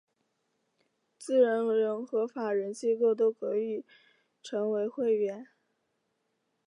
自然人和法人机构都可以成为会员。